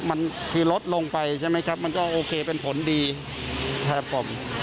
มันคือลดลงไปใช่ไหมครับมันก็โอเคเป็นผลดีครับผม